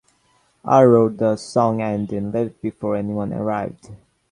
I wrote the song and then left before anyone arrived.